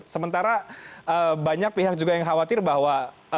sementara banyak pihak juga yang khawatir bahwa